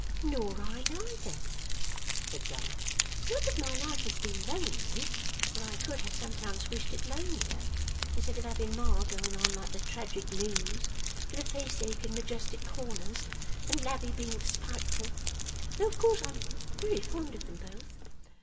'Nor I neither,' said Bella. 'Not that my life has been lonely, for I could have sometimes wished it lonelier, instead of having Ma going on like the Tragic Muse with a face ache in majestic corners, and Lavvy being spiteful though of course I am very fond of them both.